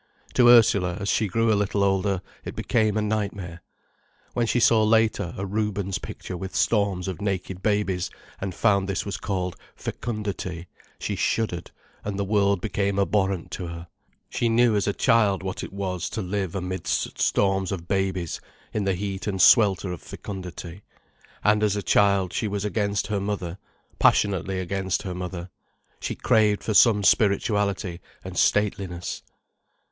To Ursula, as she grew a little older, it became a nightmare. When she saw, later, a Rubens picture with storms of naked babies, and found this was called "Fecundity", she shuddered, and the world became abhorrent to her. She knew as a child what it was to live amidst storms of babies, in the heat and swelter of fecundity. And as a child, she was against her mother, passionately against her mother, she craved for some spirituality and stateliness.